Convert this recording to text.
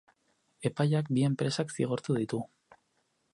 Epaiak bi enpresak zigortu ditu.